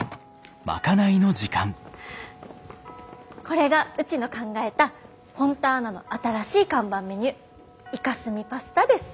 これがうちの考えたフォンターナの新しい看板メニューイカスミパスタです！